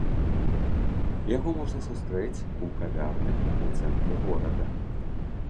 Яго можна сустрэць у кавярнях у цэнтры горада.